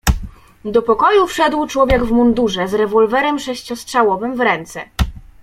"Do pokoju wszedł człowiek w mundurze, z rewolwerem sześciostrzałowym w ręce."